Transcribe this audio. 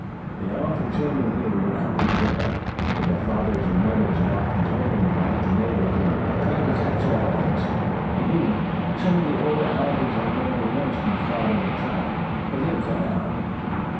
The elephant children knew what hunters were, for their fathers and mothers had often told them about the natives who tried to catch elephants. Indeed, some of the older elephants had more than once been caught in traps, but they had gotten out.